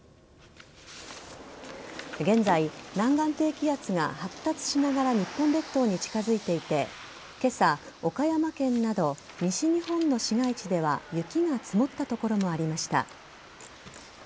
現在、南岸低気圧が発達しながら日本列島に近づいていて今朝、岡山県など西日本の市街地では雪が積もった所もありました。